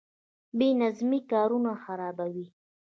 بې نظمي کارونه خرابوي